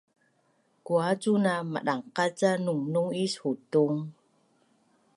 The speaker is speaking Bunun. Kuacuna madangqac ca nungnung is hutung?